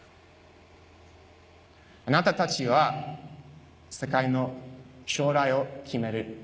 あなたたちは世界の将来を決める。